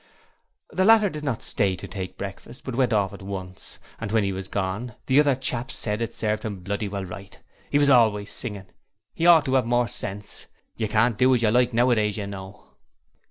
The latter did not stay to take breakfast but went off at once, and when he was gone the other chaps said it served him bloody well right: he was always singing, he ought to have more sense. You can't do as you like nowadays you know!